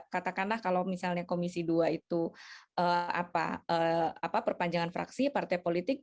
katakanlah kalau misalnya komisi dua itu perpanjangan fraksi partai politik